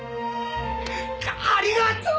ありがとう！